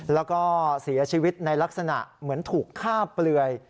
แล้วก็เสียชีวิตในลักษณะเหมือนถูกฆ่าเปลือย